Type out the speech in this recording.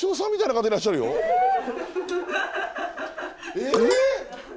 えっ！？